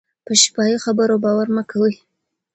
په شفاهي خبرو باور مه کوئ.